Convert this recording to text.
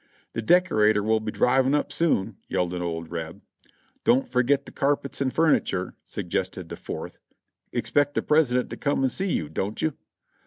"The decorator will be driving up soon," yelled an old Reb. "Don't forget the carpets and furniture," suggested the fourth. "Expect the President to come and see you. don't you?"